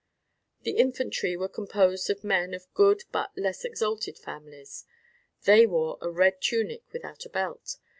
The infantry were composed of men of good but less exalted families. They wore a red tunic without a belt.